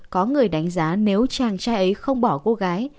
có người đánh giá nếu chàng trai ấy không bỏ cô gái